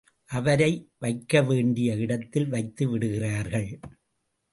அவரை வைக்கவேண்டிய இடத்தில் வைத்து விடுகிறார்கள்.